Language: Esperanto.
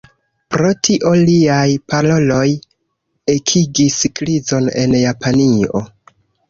Pro tio, liaj paroloj ekigis krizon en Japanio.